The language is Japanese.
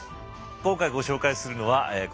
今回ご紹介するのはこの方。